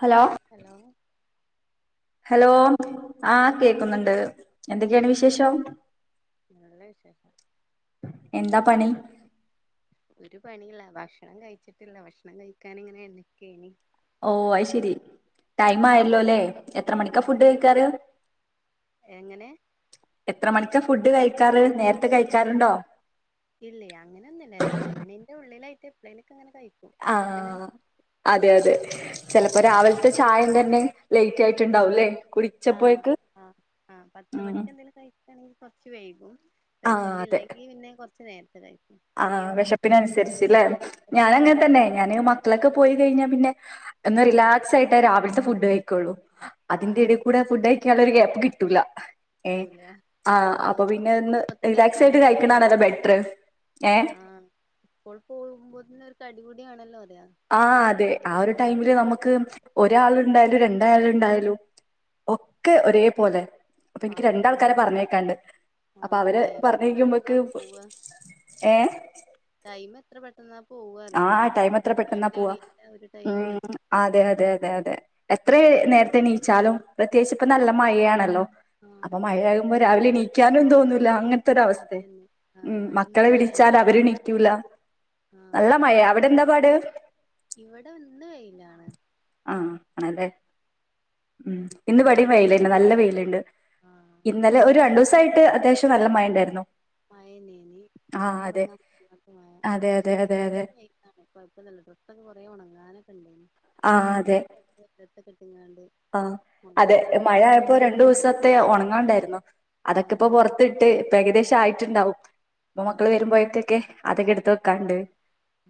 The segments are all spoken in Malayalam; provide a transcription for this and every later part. ഹലോ ഹലോ ഹലോ കേക്കണില്ലേ ആ ആഹ് കേക്ക്ന്നുണ്ട് എന്തെ ക്കെയാണ് വി വിഷം നല്ല വിശേഷം. എന്താ പണി ഒരു പണില്ല. ഭക്ഷണം കഴിച്ചിട്ടില്ല ഭശക്ഷണം കഴിക്കാൻ ഇങ്ങനെ എണി ഓ അയ് ശരി ടൈം ആയല്ലോ ആഹ് ല്ലെ എത്ര ഉം മണിക്കാ ഫുഡ് കയിക്കാറ് കഴി- എങ്ങനെ എത്ര മണി ക്കാ ഫുഡ് കഴയിക്കാറ്. നേരത്തെ കയിച്ചാറുണ്ടോ? ഇല്ലേ അങ്ങനെ ഒന്നുല്ല രണ്ട് മണിന്റെ ഉള്ളിലായിട്ട് എപ്ലേലും ആ അതെ അതെ ചെലപ്പം ആഹ് രാവിലത്തെ ചായം തന്നെ ലേറ്റ് ആയിട്ടുണ്ടാവൂല്ലേ. ആ ആ ആ പത്ത് ഉം മണിക്ക് എന്തേലും കയി എണീക്ക് കൊർച്ച് വൈകും. കഴിച്ചിട്ടില്ലെങ്കി പിന്നെ കൊ ച്ച് നേരത്തെ കഴിഞ്ഞു ആ വിശപ്പിനന്സരിച്ച്ല്ലേ. ഞാനങ്ങനെ തന്നെ വെശപ്പിനനുസരിച്ച് ഞാന് മക്കളൊക്കെ പോയി കയിഞ്ഞാ പിന്നെ ഒന്ന് ആഹ് റിലാക്സ് ആയിട്ടാ രാവിലത്തെ ഫുഡ് കഴി ക്കൊള്ളൂ ആഹ് അതിന്റെടെകൂടെ ഫുഡ് കഴി ക്കാല്ലൊരു ഗ്യാപ്പ് കിട്ടൂല്ല ഏ പറ്റൂല ആ അപ്പൊ പിന്നെ സ്കൂൾക്ക് ഒന്ന് പോകുമ്പോ തന്നെ ഒരു റിലാക്സ് ആയിട്ട് കഴിക്ക്ണാണല്ലേ ബെറ്റർ ഏഹ് ആ സ്കൂൾക്ക് പോകുമ്പോത്തിന് ഒരു തടി ടിയാണല്ലോ ആ അതെ ആ ഒര് ടൈമില് നമക്ക് ഒരാൾണ്ടായാലും രണ്ട് ഴയായാലുണ്ടായാലും ഒക്കെ ഒരേ പോലെ അപ്പൊ എനിക്ക് ആഹ് രണ്ടാൾക്കാരെ പറഞ്ഞേക്കാണ്ട് അപ്പൊ ആഹ് അവര് ടൈം എത്ര പെട്ടെന്നാ പറഞ്ഞേക്കുമ്പോക്ക് പോവ ഏ ന്നാ ആ ടൈം എത്ര പെട്ടെന്നാ പോവാ. ഒരു ടൈമും കിട്ടും ഉം അതെ അതെ അതെ അതെ എത്രേ നേരത്തെ നീച്ചാലും പ്രത്യേകിച്ച് ഇപ്പം നല്ല മയാണല്ലോ ആഹ് അപ്പൊ മഴയാവ്മ്പെ രാവിലെണീക്കാനും തോന്നൂല്ല അങ്ങന് ത്തരവസ്ഥേ അതന്നെ ഉം ആഹ് ഇന്ന് മക്കളെ വിളിച്ചാൽ മഴണ്ടോ അവരേണീക്കൂല ആഹ് [unintelligible] അവടെന്താ പാട് ഇവിടെ ഇന്ന് വെയിലാണ് ആ അണല്ലേ ഉം ഇന്ന് അവിടെ വേടിം മഴ വെയില്ണ്ട് നല്ല വെയില്ണ്ട് ആഹ് ഇന്നലെ ഒരു മറ്റേ രണ്ടൂസായിട്ട് മൂന്നാലിസായിട്ട് അത്യാവശ്യം നല്ല മഴണ്ടായിരുന്നു മഴന്നേനി ആ അതെ പൊറത്തെറങ്ങാൻ പറ്റാത്ത മഴ അതെതെ [inaudible] കൊഴപ്പല്ലല്ലോ ഡ്രസ്സോക്കെ കൊറേ ഒണങ്ങാനൊക്കെണ്ടായിനി ആ അതെ [inaudible] ഡ്രസ്സൊക്കെട്ട്ക്കാണ്ട് ആഹ് അതെ മഴയായപ്പോ രണ്ടുസത്തെ ഒണങ്ങാണ്ടായിരുന്നു അതൊക്കെ ഇപ്പൊ ആഹ് പൊറത്തിട്ട് ഏകദേശം ആയിട്ടുണ്ടാവും ഇപ്പൊ മക്കള് ആഹ് വരുമ്പോഴക്കൊക്കെ അതൊക്കെ എട്ത്ത് വെക്കാണ്ട് അത്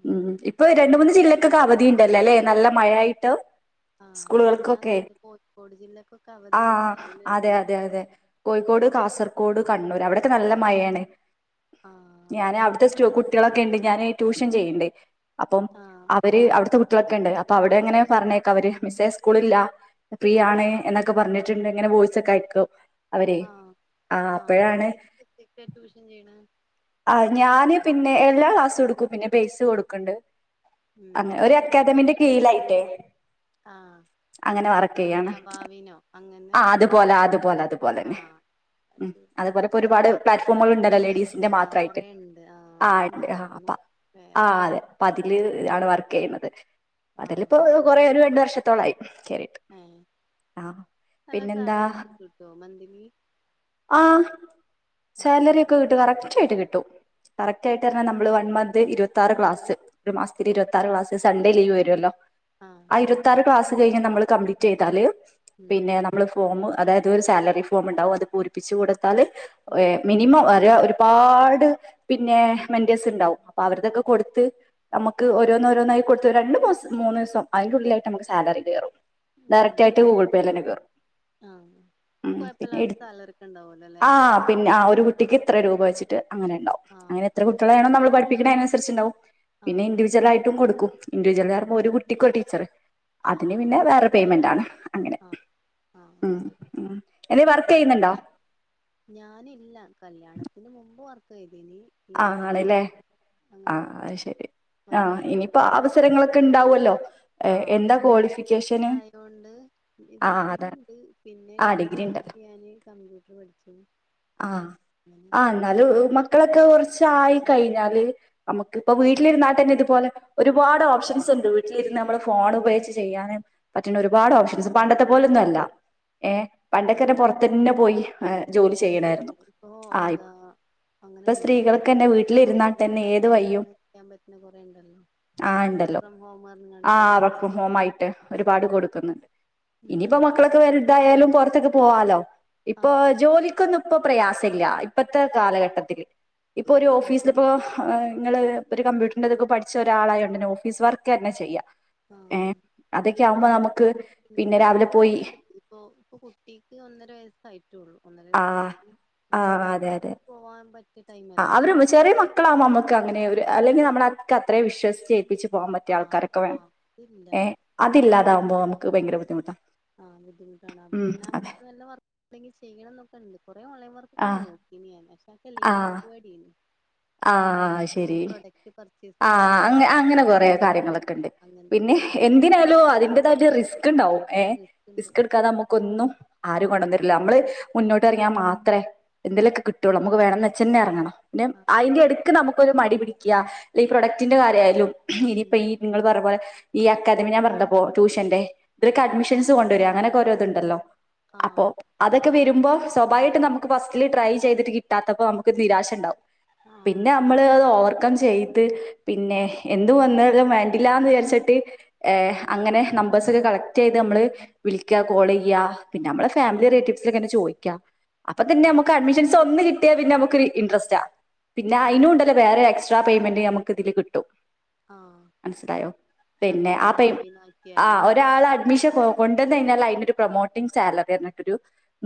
ആഹ് ഉം ഇപ്പൊ രണ്ട് സ്കൂൾട്ട് മൂന്ന് വരുമ്പോ ജില്ലക്കൊക്കെ അവധിയുണ്ടല്ലോല്ലേ ല്ല മഴായിട്ട് ആ മിഞ്ഞാന്നോ സ്കൂൾകൾക്കൊക്കെ ഒക്കെ കോഴിക്കോട് ജില്ലക്കൊക്കെ ആ അവധിയാണ് പറയുന്ന അതെ കേട്ടു അതെ അതെ കോഴിക്കോട് കാസർ ക്കോട് കണ്ണൂർ അവിടെക്കെനല്ല മഴയാണ് ആ ഞാന് അവിട്ത്തെ സ്റ്റു കു കുട്ട്യാളൊക്കെണ്ട് ഞാന് ട്യൂഷൻ ചെയ്യ്ണ്ടേ അപ്പം ആ അവര് അവിടുത്തെ ക്കണ്ട് അപ്പൊ അവിടെ എങ്ങനെ പറഞ്ഞേക്ക അവര് മിസ്സെ സ്കൂളില്ല ഫ്രീ ആണ് എന്നൊക്കെ പറഞ്ഞിട്ടുണ്ട് ഇങ്ങനെ വോയ്സ് ഒക്കെ അയക്കും അവരെ ആഹ് ആ ആഹ് അപ്പോഴാണ് ഏത് സബ്ജക്റ്റാ ട്യൂഷൻ ചെയ്യണ ആ ഞാന് പിന്നെ എല്ലാ ക്ലാസ്സും ഇട്ക്കും പിന്നെ ബേസ് കൊടുക്ക്ണ്ട് ഉം അെ ഒരു അക്കാദമിന്റെ കീ ലായിട്ട് ആ അങ്ങനെ വർക്ക് ചെയ്യാണ് നവാവിനോ അങ്ങനെ ആ അതുപോലെ അതുപോലെ അതുപോലെ ആ തന്നെ അത് ഉ ശരി അതുപോലെ ഇപ്പോ ഒരുപാട് പ്ലാറ്റ്ഫോമ്കൾണ്ടല്ലൊലെ ന്റെ ആ മാം [unintelligible] കൊറേണ്ട് ആ ഇപ്പ [unintelligible] മറന്നു ആ വേറെ അതെ ങ്ങള് ആടെ വർക്ക് ചെയ്യുന്നത് ആ അതിലിപ്പോ കൊറേ ഒരു രണ്ട് വർഷം ത്തോളായി കേറിട്ട് ഏ ആഹ് നല്ല പിന്നെന്താ സാലറി ഒക്കെ കിട്ടോ മന്ത്ലി ആ ആ സാലറിയൊക്കെ കിട്ടും കറക് റ്റായിട്ട് കി ട്ടും കറക്റ്റ് ആയിട്ട്ർഞ്ഞാ നമ്മള് വൺ മന്ത് ഇരുപത്താറ് ക്ലാസ് ഒരു മാസത്തിൽ ഇരുപത്തിറ് ക്ലാസ് സൺഡേ ലീവ് വരുവല്ലോ ആ ഇരത്താറ് ക്ലാസ് ത് കഴിഞ്ഞ നമ്മള് കംപ്ലീറ്റെയ്താല് ഉം പിന്നെ നമ്മള് ഫോമ് അതായത് ഒരു സാലറി ഫോം ഉണ്ടാവും അത് പൂരിപ്പിച്ച് കൊട് ത്താല് ഉം മിനിമം ഒര് ഒ പാട് പിന്നെ മെന്റേഴസ് ഇണ്ടാവും അപ്പൊ അവരുതൊക്കെ കൊടുത്ത് നമുക്ക് ഓരോന്നോഓരോന്നായി കൊടുത്ത് രണ്ടുസം മൂന്ന് ദിവസം അതി ഉള്ളിലായിട്ട് നമുക്ക് സാലറി കേറും ഉം ഡയറക്റ്റ് ആയിട്ട് ഗൂഗിൾ പേലെന്നെ കേറും ആ പിന്നെ കൊഴപ്പല്ലാത്ത സാലറി ഒക്കെ ഉണ്ടാവല്ലോ ല്ലേ ആ പിന്നെ ഒരു കുട് കുട്ടിക്ക് ഇത്ര രൂപ വെച്ചിട്ട് അങ്ങനെണ്ടാകും ആ അങ്ങെ ആ എത്ര കുട്ടികളണോ നമ്മള് പഠി പിക്ക്ണെ അതിനനുസരിച്ച്ണ്ടാവും ആ പിന്നെ ഇൻഡിവിജ്വൽ ആയിട്ടും കൊടുക്കും ഇൻഡിവിജൽ പറയുമ്പോ ഒരു കുട്ടിക്ക് ഒരു ടീച്ചർ ആ അതിന് പിന്നെ വേറെ പേയ്മെന്റ് ആണ് അങ്ങനെ ആ ഉം ആഹ് ഉം എന്തേ വർക്ക് അ ചെയ്യുന്നുണ്ടോ ഞാനില്ല കല്യാണത്തിന് മുമ്പ് വർ [unintelligible] ആ ആണല്ലേ അങ്ങനെ ആഹ് അത് ശരി ആഹ വർക്ക് ഇനിയിപ്പോ അവസരങ്ങളൊക്കെ ണ്ടാവുഅ ല്ലോ ആഹ പ്പൊ ഇന്റെ കുട്ടി ചെറുതായോണ്ട് ആ ഡിഗ്രി അതാണ് ഉണ്ട് പിന്നെ ആ ഡിഗ്രി കഴിഞ്ഞിട്ട് ഉണ്ടല്ലോ ഞാന് കമ്പ്യൂട്ടർ പഠിച്ചു ആഹ് ആ അങ്ങനെയൊക്കെ എന്നാലും മക്കളൊക്കെ കൊർ റച്ചായി കഴിഞ്ഞാല് നമുക്ക് ഇപ്പ വീട്ടിലിര്ന്നാട്ടെന്നെ ഇതുപോലെ ഒരുപാട് ഓപ്ഷൻസ് ഉണ്ട് വീട്ടിലിരുന്ന് നമ്മള് ഫോൺ ഉപയോഗിച്ച് ചെയ്യാനും പറ്റുന്ന ഒരുപാട് ഓപ്ഷൻസ് പണ്ടത്തെ പോലൊന്നു അല്ല ഏ ആഹ് പണ്ടക്കരെ പൊറത്തുന്നെ പോയി ജോലി ചെയ്യണമായിരുന്നു അതെ ഇപ്പൊ ആ എന്താ ഇപ്പൊ അങ്ങനെണ്ട് സ്ത്രീകൾക്കന്നെ വീട്ടില് വീട്ടിലിരുന്നാ ഹൗസ് തന്നെ വൈഫായി ഏത് വയ്യും അങ്ങനെ ചെയ്യാൻ പറ്റുന്ന കൊറേ ഇണ്ടല്ലോ ആ വർക്ക് ഉണ്ടല്ലോ ഫ്രം ഹോം പറഞ്ഞ്ങ്ങാണ്ട് ആ കൊറേയൊക്കെ വർക്ക്‌ഹോമായിട്ട് ഒരുപാട് കൊടുക്കുന്നുണ്ട് ഉം ഇനിയിപ്പോ മക്കളൊക്കെ വതായാലും കുറച്ച് ത്തേക്ക് പോവാാലോ ഇപ്പൊ ആഹ് ജോലി ഇപ്പൊ പ്രയാസ ഇില്ല ഇപ്പത്തെ കാലഘട്ടത്തില്ൽ ഇപ്പൊ ഒരു ഓഫീസില അതെ ഇപ്പോ നിങ്ങള് ഒരു കമ്പ്യൂട്ടറിന്റെറെതക്കെ പഠിച്ച ഒരാളായണ്ടണ്ട്ന്നെ ഓഫീസ് വർക്ക് തന്നെ ചെയ്യാം ഏ ആഹ് അതെ [unintelligible] എനിക്ക് താല്പര്യംൊണ്ട് ഇപ്പൊ ഇപ്പൊ കുട്ടിക്ക് ഒന്നര വയസ് കായിറ്റുള്ളൂ ഒന്നര വയ ആ ആ അതെ അതെ പറ്റിയ ആ ടൈമല്ലല്ലോ അവര ചെറിയ മക്കളാവ നമ്മക്ക് അങ്ങനെ അല്ലെങ്കിൽ നമ്മൾ അക്ക അത്രയും വിശ്സിിച്ചേപ്പിച്ചു പോകാൻ പറ്റിയ ആഹ് ആൾക്കാരൊക്കെ വേണം ആഹ് അതില്ല ഏ പിന്നെ അതില്ലാതാകുമ്പോൾ നമുക്ക് ഭയങ്കര ബുദ്ധിമുട്ടാ ആഹ് ബുദ്ധിമുട്ടാണ് ഉം അതെ പിന്നെക്ക് നല്ല വർെങ്കിൽ ചെയ്യണം ണ്ട് കുറേ ഓൺലൈൻ വർക്കൊക്കെ ആ നോക്കി ഇന്ന് ഞാൻ ശെനി തക്ക ആ ലിംഗവാടിന് ആ ശരി പർച്ചേസ് ആ അ ചെയ്ത്ങ്ങാണ്ട് അങ്ങ് അങ്ങനെകൊറെ കാര്യങ്ങളൊക്കെ ഉണ്ട് അങ്ങനത്തെ പിന്നെ കൊറേ എന്തിനായാലും റിസ് അതിന്റതായിട്ട് ബിസ് ഉണ്ടാവുംഏഹ് റിസ്ക് ഉണ്ട് ബസ് എടുക്കാതെ നമുക്കൊന്നും ആരും കൊണ്ടുവ ഇത് വന്നരില്ല നമ്മള് മുന്നോട്ട്റങ്ങാ മാത്രേ എന്തേലൊക്കെ കിട്ടയുള്ളൂ നമുക്ക് വേണംന്ന് വെച്ചന്നെ ഇറങ്ങണം ആഹ് അതിന്റെ അടുക്ക് നമുക്കൊരു മടി പിടിക്കുക അല്ല ഈ പ്രൊഡക്ടിന്റെ കാര്യാലും ഇനിയിപ്പ ഉം ഈ നിങ്ങള്ൾ പറ പോോലെ ഈ അക്കാദമി ഞാൻ പറഞ്ഞപ്പോ ട്യൂഷന്റെ ഇതൊക്കെ ആഹ് അ്മിഷൻസ് കൊണ്ടുവരക അങ്ങനെ ഓരോ ഇതുണ്ടല്ലോ അപ്പൊ ആഹ് അതൊക്കെ ക്കെ വരുമ്പോ സ്വഭായിമായിട്ട് നമുക്ക് ഫസ്റ്റില് ട്രൈ ചെയ്തിട്ട് കിട്ടാത്തപ്പോ നമുക്ക് നിരാശ ഉണ്ടാവും പിന്നെ ആഹ് നമ്മള് അത് ഓർ ം ചെയ്ത് പിന്നെ എന്ത് വന്നാലും വേണ്ടില്ലന്ന് വിചാരിച്ചിട്ട് ർ അങ്ങനെ നമ്പേഴ്സ് ഒക്കെ കളക്ട് ചെയ്ത് നമ്മള് വിളിക്ക കോൾ ചെയ്യ പിന്നെ നമ്മള ഫാമിലി റിലേറ്റീവ്സിലൊക്കെ എന്നെ ചോദിക്കാ അപ്പൊ തന്നെ നമുക്ക് അഡ്മിഷൻസ് ഒന്ന് കിട്ടിയാ പിന്നെ നമുൊരു ഇൻട്രസ്റ്റാ പിന്നെ അതെ അതിനുംുണ്ടല്ലേ വേറെക് എക്്ട്രാ പയ്മെന്റ് നമുക്ക് ഇതി കിട്ടും ആഹ് മനസിലായോ പിന്നെ ആ നമ്മളാളെ പ ജോയിൻ ആ ആക്കിയാല് ല്ലേ ഒരാള് അഡ്മിഷൻ ഉണ്ടെന്നെയ്ഞ്ഞാൽ അതിനൊരു പ്രൊമോട്ടിംഗ് സാലറി എന്നിട്ടൊരു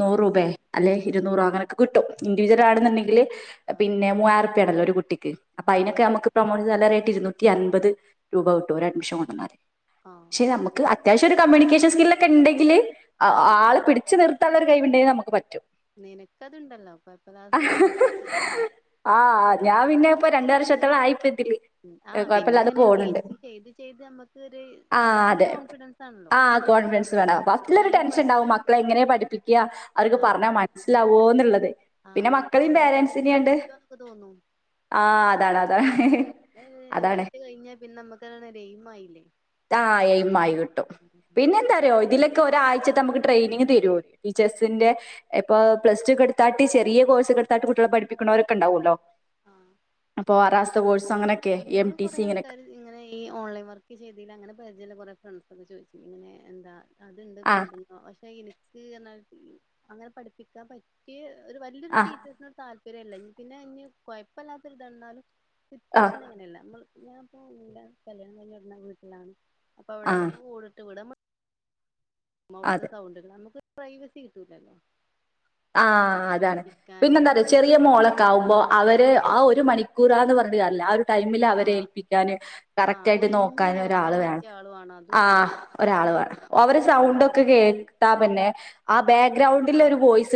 നൂറ് ആഹ് രൂപയ അല്ലെ ഇരുന്നൂറ് അങ്ങനെക് കിട്ടും ആഹ് ഇന്റിവിജലാണുണ്ടെങ്കില് ആഹ് പിന്നെ മുവായിര ത്യാണല്ലോ ഒരു കുട്ടിക്ക് അപ്പൊ ആഹ് അയിനൊക്കെമുക്ക് പ്രമോല് അല്ലാരെയ്ട് ഇരുന്നൂറ്റി അമ്പപത് രൂപ കിട്ടു ഒര അഡ്മിഷൻ കൊണ്ടൊന്നാല് ആഹ് പക്ഷെ നമുക്ക് അ ത്യാവശ്യം ഒരു കമ്മ്യണിക്കേഷൻ സ്കില്ലൊക്കെ ണ്ടെങ്കില് അ ആഹ് അത് ആള് പിടിച്ചു നിർത്താള്ളോരു കൈവ്ണ്ടേ നമുക്ക് പറ്റും നിനക്ക അതുണ്ടല്ലോ പ്പ ഇപ്പതാ സംസാരിച്ചക്കക്കോ ആഹ് ഞാൻ വിന്നെ ഇപ്പൊ രണ്ട് വർഷത്തൊള ആയിട്ട് തില്ലി ഉം എ ആഹ് പിന്നെ കൊഴപ്പല്ലതെ അങ്ങനെ പോണ് ണ്ട് ടീച്ചിങ് ചെയ്ത് ചെയ്ത് നമ്മക്കൊരു ആ നമ്മക്കൊരു അതെ കോൺഫിഡൻസ് ആണല്ലോ ആ കോൺഫിഡൻസ് വേണം. ഇതിന് ഫസ്റ്റിലൊരു കഴിയും ടെൻഷൻ ഉണ്ടാവും മക്കളെ പറ്റുംന്നില്ലേ എങ്ങനെ പഠിപ്പിക്ക അവർക്ക് ആഹ് പറഞ്ഞാ മനസ്സിലാവോന്നുള്ളത് പിന്നെ ആഹ് മക്കളീം ഇന്നെ കൊണ്ടൊക്കെ പോരൻറ്സിനെഅണ്ട് പറ്റുവോന്നൊക്കെ തോന്നും ആഹ് അതാണ് അതാണ് പിന്നെ അതാണ് ഒരാഴ്ച കഴിഞ്ഞാ പിന്നെ നമ്മക്കതൊരു എയിമായില്ലേ ആ യെയ്മായികിട്ടും പിന്നെ എന്താ അറിയോ ഇതില് ക് ഒരാഴ്ച്ചത്തെ മുക്ക് ട്രെയിനിങ് തരോല് ടീച്ചഴസിന്റെ എപ് പ പ്ലസ്ടുക്കെട്ത്താട്ട് ചെറിയ കോഴ്സ്ക്കെടുത്തട്ട് കുട്ട്യാളെപഠിപ്പിക്കുണോരെ ക്കെണ്ടാവൂല്ലോ ആഹ് അപ്പൊ വരാസ് ത വോയ്സ് ഇന്നോട് കുറെേ ആൾക്കാര് ഇങ്ങനെ ഈ ഓൺലൈൻ വർക്ക് ചെയ്തിൽ അങ്ങനെ പരിചയ കുറെേ ഫ്രണ്ട്സ് ഒക്കെ ചോദിച്ചു ഇങ്ങനെ എന്താ അത്ണ്ട് ആ കൂടുന്നൊ പക്ഷെ ഇനി ഈ എന്നാൽ ഫി അങ്ങനെ പഠിപ്പിക്കാൻ പറ്റി ഒരു വല്യോരു ആ ടീേചേസിന് താല് രല്ല ഇ പിന്നെ ഇനി കുഴപ്പല്ലാത്തരിതണ്ണാലും ആ റ്റുവേഷൻ അങ്ങനെയല്ല ന്നാ ഞാൻപ്പോ ഇന്റെ കല്യാണം കഴിഞൊട്ന്ന വീട്ടിലാണ് അപ്പൊ ആ അവിടെ ഓടിട്ട വിട അമ് അതെ മൗത്ത് സൗണ്ട് നമുക് പ്രൈവസി കിട്ടൂലല്ലോ ആ അതാണ് പഠിക്കാന് പിന്നെന്താറിയോ മറ്റേ ചെറിയ മോളൊക്കെ ആകുമ്പോ അവര് ആ ഒരു മണിക്കൂറാന്ന് പറഞ്ഞിട്ട് കാര്യല്ല ആ ഒരു ടൈമിൽ അവരെ ആഹ് ഏൽപ്പിക്കാനും കറക്റ്റ് ആഹ് ആായിട്ട് ഒഴിഞ്ഞ് നോക്കാനും നോക്കാൻ ഒരാള് വേണം പറ്റിയ ആളു ആണ് അതും ആ് ഇല്ല ഒരാൾ വേണം അവര് അങ്ങനെ സൗണ്ടൊക്കെ കേൾക്കും ആ പിന്നെ ആ ബാക്ക്ഗ്രൗണ്ടില് ഒരു വോയിസ്